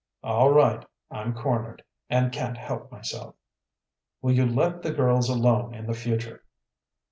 "All right, I'm cornered, and can't help myself." "Will you let the girls alone in the future?"